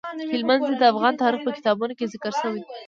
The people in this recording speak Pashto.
هلمند سیند د افغان تاریخ په کتابونو کې ذکر شوی دي.